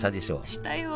したよ。